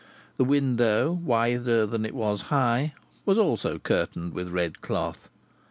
The window, wider than it was high, was also curtained with red cloth.